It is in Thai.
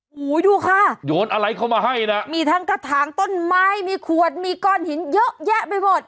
โอ้โหดูค่ะโยนอะไรเข้ามาให้นะมีทั้งกระถางต้นไม้มีขวดมีก้อนหินเยอะแยะไปหมด